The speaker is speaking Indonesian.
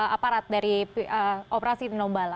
apa rat dari operasi tinombala